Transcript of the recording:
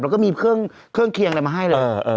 แล้วก็มีเครื่องเคียงอะไรมาให้เลย